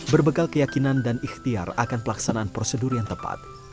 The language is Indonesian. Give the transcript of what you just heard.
berbekal keyakinan dan ikhtiar akan pelaksanaan prosedur yang tepat